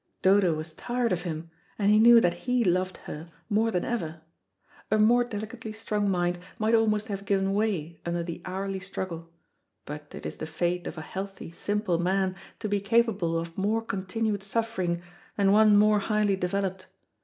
Dodo was tired of him, and he knew that he loved her more than ever. A more delicately strung mind might almost have given way under the hourly struggle, but it is the fate of a healthy simple man to be capable of more continued suffering than one more highly developed.